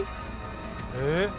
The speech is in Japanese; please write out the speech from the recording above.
えっ？